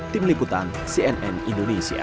tim liputan cnn indonesia